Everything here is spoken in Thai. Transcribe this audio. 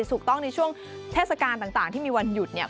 ถูกต้องในช่วงเทศกาลต่างที่มีวันหยุดเนี่ย